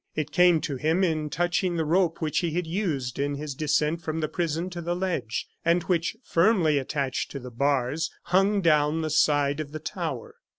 It came to him in touching the rope which he had used in his descent from the prison to the ledge, and which, firmly attached to the bars, hung down the side of the tower.